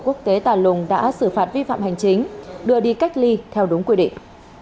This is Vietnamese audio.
quốc tế tà lùng đã xử phạt vi phạm hành chính đưa đi cách ly theo đúng quy định